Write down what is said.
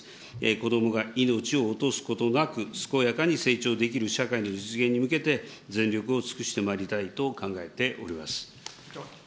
子どもが命を落とすことなく健やかに成長できる社会の実現に向けて、全力を尽くしてまいりたいと考えております。